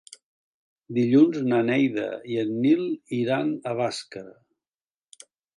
Dilluns na Neida i en Nil iran a Bàscara.